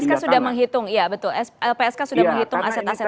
lpsk sudah menghitung ya betul lpsk sudah menghitung aset aset tersebut